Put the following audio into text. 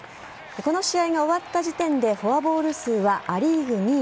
この試合が終わった時点でフォアボール数はア・リーグ２位